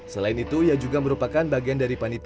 selain itu ia juga memiliki pemerintah yang berpengaruh